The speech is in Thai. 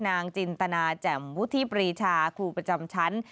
จินตนาแจ่มวุฒิปรีชาครูประจำชั้น